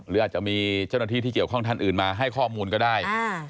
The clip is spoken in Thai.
หรืออาจจะมีเจ้าหน้าที่ที่เกี่ยวข้องท่านอื่นมาให้ข้อมูลก็ได้